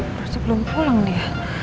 berarti belum pulang dia